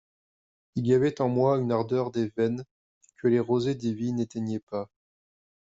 Il y avait en moi une ardeur des veines que les rosées divines n'éteignaient pas.